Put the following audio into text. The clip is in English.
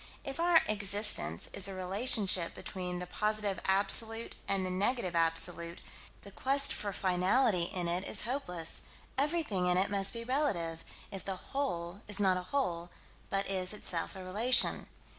If our "existence" is a relationship between the Positive Absolute and the Negative Absolute, the quest for finality in it is hopeless: everything in it must be relative, if the "whole" is not a whole, but is, itself, a relation.